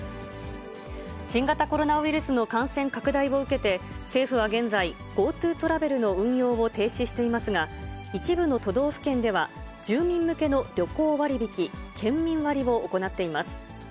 新型コロナウイルスの感染拡大を受けて、政府は現在、ＧｏＴｏトラベルの運用を停止していますが、一部の都道府県では、住民向けの旅行割引、県民割を行っています。